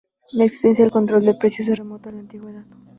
La existencia del control de precios se remonta a la Antigüedad.